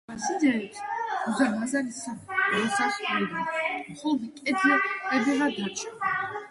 შერვაშიძეების უზარმაზარი სასახლიდან მხოლოდ კედლებიღა დარჩა.